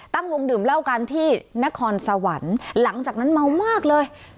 ตั้งวงดื่มเหล้ากันที่นครสวรรค์หลังจากนั้นเมามากเลย